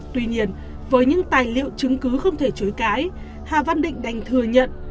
tuy nhiên với những tài liệu chứng cứ không thể chối cãi hà văn định đành thừa nhận